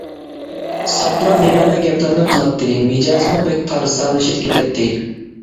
ساپلا بىمەنە گەپلەرنى قىلاتتى، مىجەزىمۇ بەك تەرسالىشىپ كېتەتتى.